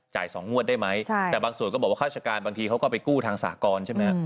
๒งวดได้ไหมแต่บางส่วนก็บอกว่าข้าราชการบางทีเขาก็ไปกู้ทางสากรใช่ไหม